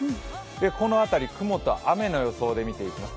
この辺り、雲と雨の予想で見ていきます。